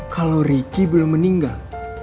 kalau ricky belum meninggal